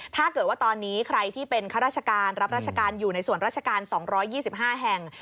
ถ้าเกิดว่าตอนนี้ใครที่เป็นข้าราชการรับราชการอยู่ในส่วนราชการ๒๒๕แห่ง